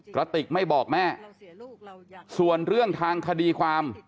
กระติกไม่บอกแม่ส่วนเรื่องทางคดีความ